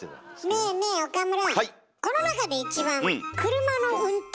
ねえねえ岡村。